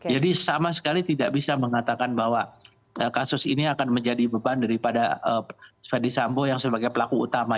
jadi sama sekali tidak bisa mengatakan bahwa kasus ini akan menjadi beban daripada fendi sambo yang sebagai pelaku utama